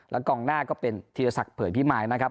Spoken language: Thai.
กองหน้าก็เป็นธีรศักดิ์เผยพิมายนะครับ